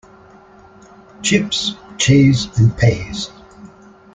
Chips, cheese and peas.